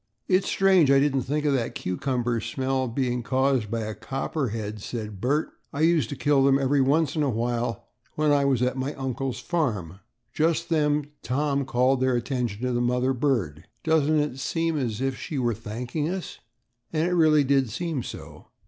"It's strange I didn't think of that cucumber smell being caused by a copperhead," said Bert; "I used to kill them every once in a while when I was at my uncle's farm." Just then, Tom called their attention to the mother bird. "Doesn't it almost seem as if she were thanking us?" And it really did seem so.